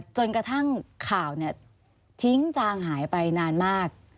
จนกระทั่งข่าวทิ้งจางหายไปนานมาก